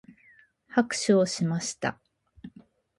拍手をしました。